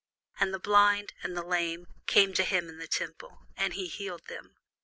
And the blind and the lame came to him in the temple; and he healed them.